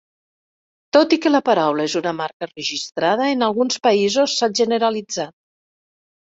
Tot i que la paraula és una marca registrada, en alguns països s'ha generalitzat.